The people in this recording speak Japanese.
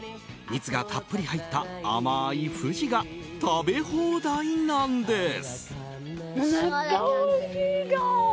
蜜がたっぷり入った甘いふじが食べ放題なんです。